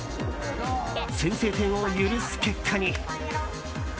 先制点を許す結果に。